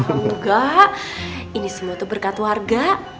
alhamdulillah ini semua itu berkat warga